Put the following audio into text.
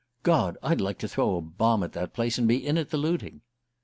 "God, I'd like to throw a bomb at that place, and be in at the looting!"